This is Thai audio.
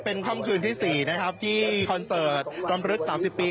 เป็นค่ำคืนที่๔นะครับที่คอนเสิร์ตรำลึก๓๐ปี